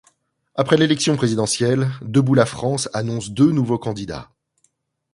Après l'élection présidentielle, Debout la France annonce deux nouveaux candidats.